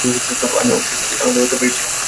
আমি অবশেষে তার মাঝে জ্বালা ধরাতে পেরেছিলাম।